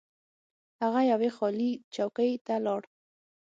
هغه یوې خالي چوکۍ ته لاړ.